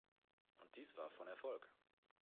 Und dies war von Erfolg.